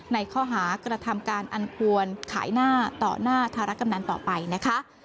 ในข้อหากระทำการอันควรขายหน้าต่อหน้าธารกำนันต่อไปนะคะ